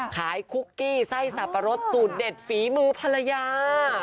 คุกกี้ไส้สับปะรดสูตรเด็ดฝีมือภรรยา